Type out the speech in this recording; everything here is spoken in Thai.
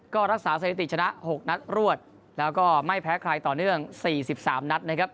ก็รักษาสถิติชนะ๖นัดรวดแล้วก็ไม่แพ้ใครต่อเนื่อง๔๓นัดนะครับ